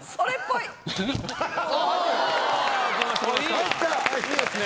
いいですね！